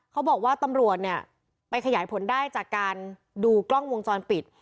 เขาบอกว่าตำรวจเนี่ยไปขยายผลได้จากการดูกล้องวงจรปิด